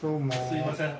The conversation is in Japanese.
すいません。